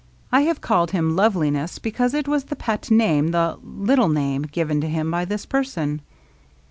I have called him Loveliness because it was the pet name^ the '^ Uttle name/' given to him by this person.